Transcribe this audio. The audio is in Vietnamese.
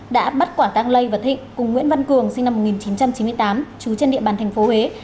đã bắt quả tăng lây và thịnh cùng nguyễn văn cường sinh năm một nghìn chín trăm chín mươi tám trú trên địa bàn tp huế